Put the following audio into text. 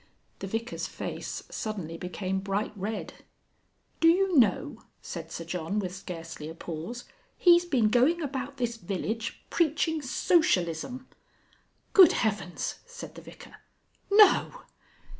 The Vicar's face suddenly became bright red. "Do you know," said Sir John, with scarcely a pause, "he's been going about this village preaching Socialism?" "Good heavens!" said the Vicar, "_No!